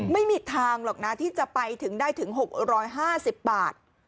ไม่มีทางหรอกนะที่จะไปถึงได้ถึง๖๕๐บาท